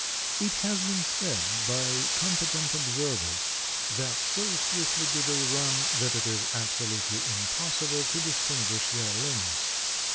It has been said by competent observers that so swiftly do they run that it is absolutely impossible to distinguish their limbs.